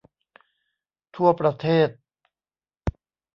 ทั่วประเทศ